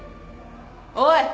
おい。